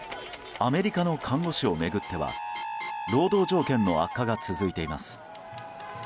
アメリカの看護師を巡っては労働条件の悪化が続いています。